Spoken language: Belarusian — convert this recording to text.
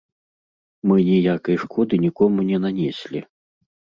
Мы ніякай шкоды нікому не нанеслі.